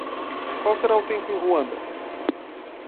Qual será o tempo em Ruanda?